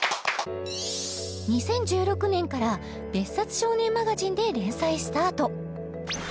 ２０１６年から「別冊少年マガジン」で連載スタート